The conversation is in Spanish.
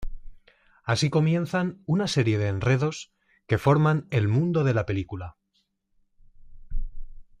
Así comienzan una serie de enredos que forman el mundo de la película.